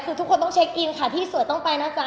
คือทุกคนต้องเช็คอินค่ะที่สวยต้องไปนะจ๊